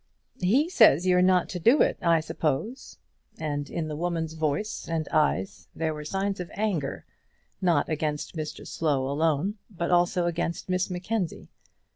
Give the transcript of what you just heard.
"He says you're not to do it, I suppose!" And in the woman's voice and eyes there were signs of anger, not against Mr Slow alone, but also against Miss Mackenzie.